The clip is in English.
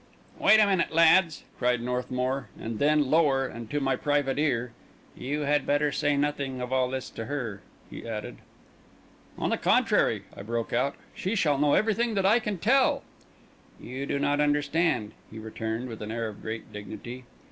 "Wait a minute, lads!" cried Northmour; and then lower and to my private ear: "You had better say nothing of all this to her," he added. "On the contrary!" I broke out, "she shall know everything that I can tell." "You do not understand," he returned, with an air of great dignity.